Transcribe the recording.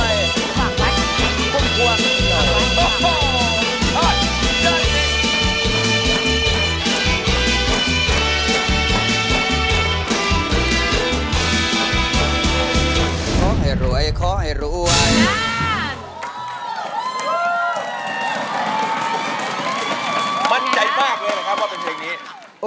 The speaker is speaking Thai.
อินโทรเพลงที่๖มูลค่า๖๐๐๐๐บาท